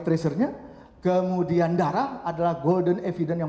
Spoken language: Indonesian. nah untuk mencapai dia mendapatkan biomarker atau monitor itu harus diperhatikan